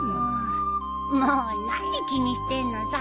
もう何気にしてんのさ。